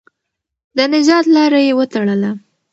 د نجات لاره یې وتړله.